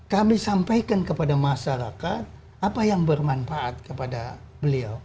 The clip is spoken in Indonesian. kami sampaikan kepada masyarakat apa yang bermanfaat kepada beliau